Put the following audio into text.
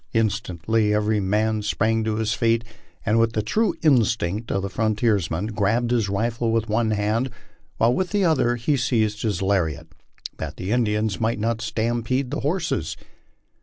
Instantly every man sprang to his feet and, with the true instinct of the frontiersman, grasped his rifle with one hand while with the other he seized his lariat, that the Indians might not stampede the horses.